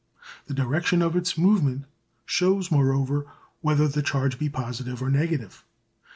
The direction of its movement shows, moreover, whether the charge be positive or negative.